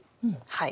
はい。